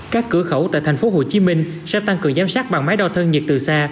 các cửa khẩu tại tp hcm sẽ tăng cường giám sát bằng máy đo thân nhiệt từ xa